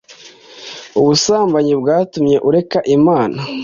Ubusambanyi bwatumye ureka Imana